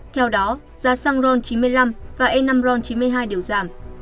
theo đó giá xăng ron chín mươi năm và e năm ron chín mươi hai đều giảm